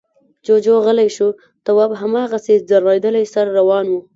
جُوجُو غلی شو. تواب هماغسې ځړېدلی سر روان و.